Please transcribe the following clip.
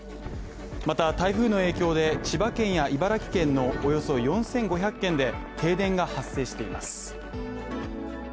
また台風の影響で、千葉県や茨城県のおよそ４５００軒で停電が発生しています。